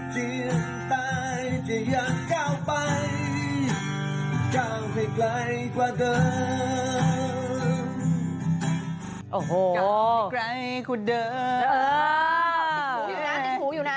ติดหูอยู่นะติดหูอยู่นะ